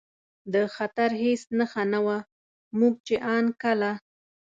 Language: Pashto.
د خطر هېڅ نښه نه وه، موږ چې ان کله.